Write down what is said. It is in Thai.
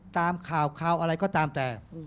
ตามข่าวอะไรก็ตามแต่